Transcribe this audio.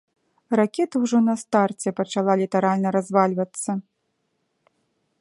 Ракета ўжо на старце пачала літаральна развальвацца.